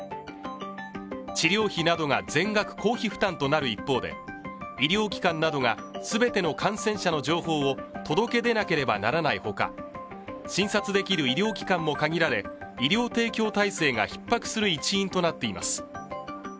治療費などが全額公費負担となる一方で医療機関などがすべての感染者の情報を届け出なければいけないほか診察できる医療機関も限られ医療提供体制がひっ迫する一因となっています